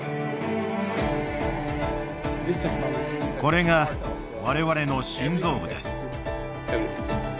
これが我々の心臓部です。